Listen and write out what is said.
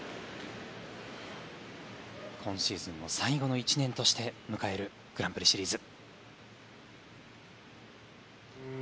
今シーズンを最後の１年として迎えるグランプリシリーズ。